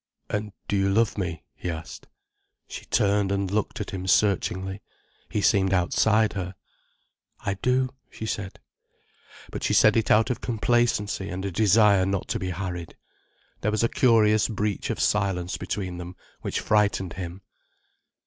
"And do you love me?" he asked. She turned and looked at him searchingly. He seemed outside her. "I do," she said. But she said it out of complacency and a desire not to be harried. There was a curious breach of silence between them, which frightened him.